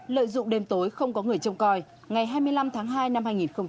lợi dụng đêm tối không có người trông coi ngày hai mươi năm tháng hai năm hai nghìn hai mươi